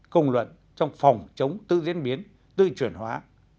công luận trong phòng chống tư diễn biến tư truyền hóa